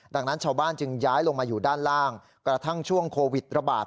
ดังนั้นชาวบ้านจึงย้ายลงมาอยู่ด้านล่างกระทั่งช่วงโควิดระบาด